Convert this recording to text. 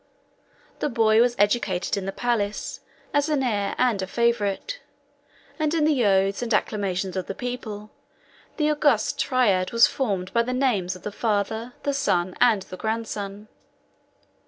The boy was educated in the palace as an heir and a favorite; and in the oaths and acclamations of the people, the august triad was formed by the names of the father, the son, and the grandson.